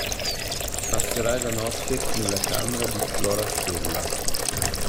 Passerai la notte nella camera di Florastella.